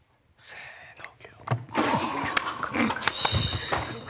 せの。